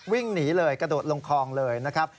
วิ่งหนีเลยกระโดดลงคลองเลยนะครับ